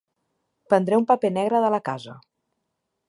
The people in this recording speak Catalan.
Prendré un paper negre de la casa.